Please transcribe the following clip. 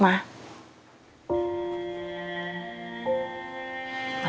bukan urusan kamu ya